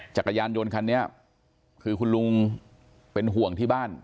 จักรยานยนต์คันนี้คือคุณลุงเป็นห่วงที่บ้าน